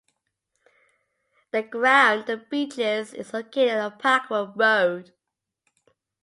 The ground, The Beeches, is located on Packwood Road.